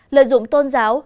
lợi dụng tôn giáo